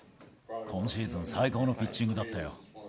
今シーズン最高のピッチングだったよ。